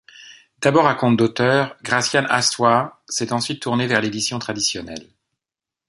D'abord à compte d'auteur, Gracianne Hastoy s'est ensuite tournée vers l'édition traditionnelle.